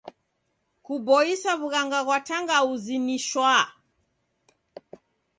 Kuboisa w'ughanga ghwa tangauzi ni shwaa.